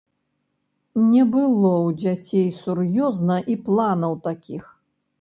Не было ў дзяцей сур'ёзна і планаў такіх.